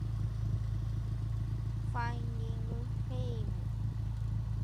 At Manhattan's Copacabana lounge, both start finding fame.